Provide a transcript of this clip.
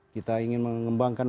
kita ingin mengembangkan